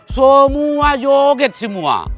semua joget semua